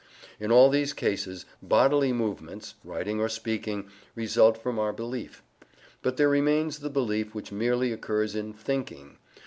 In all these cases bodily movements (writing or speaking) result from our belief. But there remains the belief which merely occurs in "thinking."